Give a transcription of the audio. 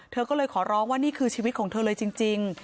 เธอก็เลยขอร้องว่านี่คือชีวิตของเธอเลยจริง